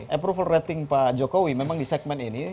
approval rating pak jokowi memang di segmen ini